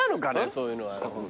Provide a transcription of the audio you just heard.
そういうのは。